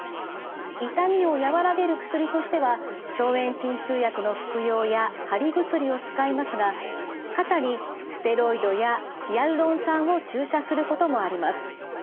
痛みを和らげる薬としては消炎鎮痛薬の服用や貼り薬を使いますが肩にステロイドやヒアルロン酸を注射することもあります。